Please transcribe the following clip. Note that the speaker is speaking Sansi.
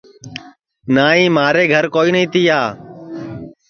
نائی مھارے گھر کوئی نائی تیا